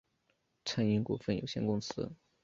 餐饮股份有限公司